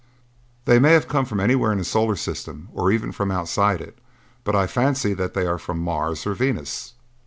"They may have come from anywhere in the solar system, or even from outside it but I fancy, that they are from Mars or Venus."